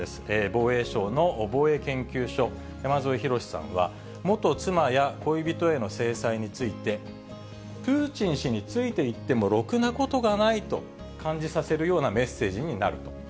防衛省の防衛研究所、山添博史さんは、元妻や恋人への制裁について、プーチン氏について行ってもろくなことがないと感じさせるようなメッセージになると。